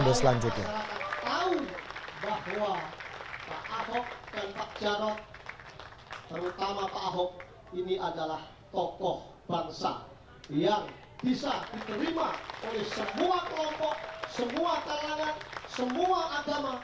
terutama pak ahok ini adalah tokoh bangsa yang bisa diterima oleh semua kelompok semua kalangan semua agama